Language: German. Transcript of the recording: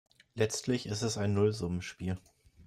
Letztlich ist es ein Nullsummenspiel.